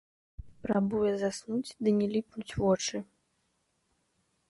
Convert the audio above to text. Прабуе заснуць, ды не ліпнуць вочы.